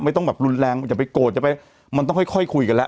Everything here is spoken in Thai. ไม่ต้องแบบรุนแรงจะไปโกรธจะไปมันต้องค่อยค่อยคุยกันแหละ